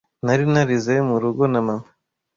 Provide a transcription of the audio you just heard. Nari narize mu rugo na mama.